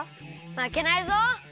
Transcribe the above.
まけないぞ！